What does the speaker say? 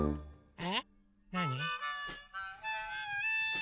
え？